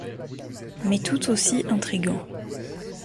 Mais tout aussi intrigants.